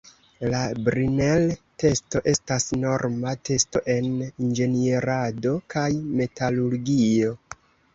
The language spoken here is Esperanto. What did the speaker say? La Brinell-testo estas norma testo en inĝenierado kaj metalurgio.